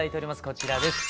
こちらです。